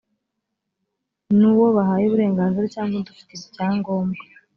ni uwo bahaye uburenganzira cyangwa undi ufite icyangombwa